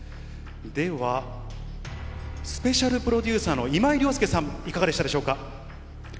では、スペシャルプロデューサーの今井了介さん、いかがでしたでしょう